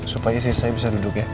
supaya saya bisa duduk ya